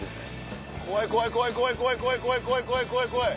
怖い怖い怖い怖い怖い怖い怖い怖い怖い怖い怖い。